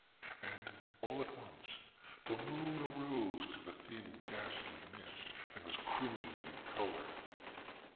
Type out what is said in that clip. ŌĆ£And, all at once, the moon arose through the thin ghastly mist, and was crimson in color.